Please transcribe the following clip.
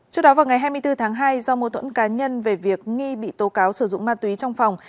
trước đó vào ngày hai mươi bốn tháng hai do mô thuẫn cá nhân về việc nghi bị tố cáo sử dụng ma túy trong phòng